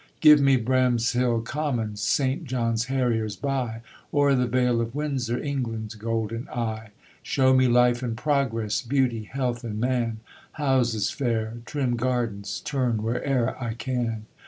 Give me Bramshill common (St. John's harriers by), Or the vale of Windsor, England's golden eye. Show me life and progress, Beauty, health, and man; Houses fair, trim gardens, Turn where'er I can.